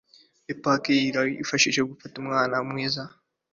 apefoc kanama, aho umuryango uvutse vuba. twese hamwe twari abanyeshuri mirongo itandatu